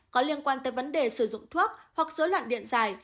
có liên quan tới vấn đề sử dụng thuốc hoặc dối loạn điện dài